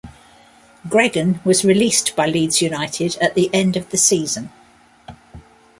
Gregan was released by Leeds United at the end of the season.